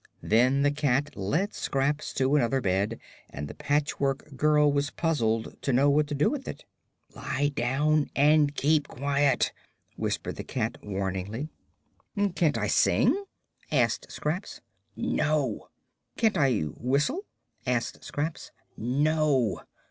Then the cat led Scraps to another bed and the Patchwork Girl was puzzled to know what to do with it. "Lie down and keep quiet," whispered the cat, warningly. "Can't I sing?" asked Scraps. "No." "Can't I whistle?" asked Scraps. "No."